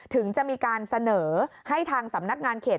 ถึงจะมีการเสนอให้ทางสำนักงานเขต